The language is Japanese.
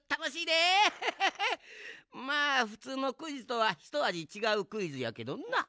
まあふつうのクイズとはひとあじちがうクイズやけどな。